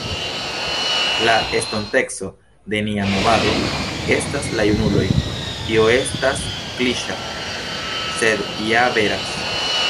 La estonteco de nia movado estas la junuloj, tio estas kliŝa sed ja veras.